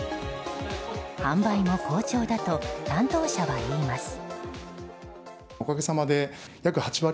販売も好調だと担当者は言います。